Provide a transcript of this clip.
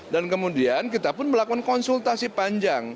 dan kemudian kita pun melakukan konsultasi panjang